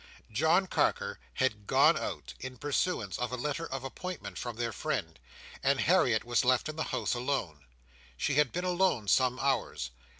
John Carker had gone out, in pursuance of a letter of appointment from their friend, and Harriet was left in the house alone. She had been alone some hours.